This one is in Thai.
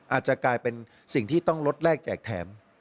อาจจะกลายเป็นสิ่งที่ต้องลดแรกแจกแถม